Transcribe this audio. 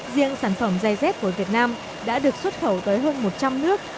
riêng sản phẩm da giày z của việt nam đã được xuất khẩu tới hơn một trăm linh nước